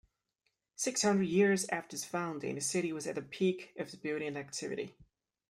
Six hundred years after its founding, the city was at the peak of its building activity.